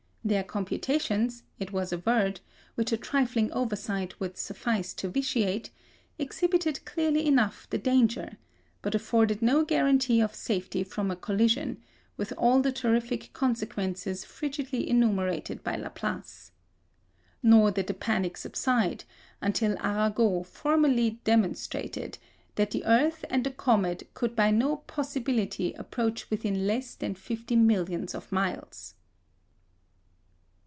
Their computations, it was averred, which a trifling oversight would suffice to vitiate, exhibited clearly enough the danger, but afforded no guarantee of safety from a collision, with all the terrific consequences frigidly enumerated by Laplace. Nor did the panic subside until Arago formally demonstrated that the earth and the comet could by no possibility approach within less than fifty millions of miles.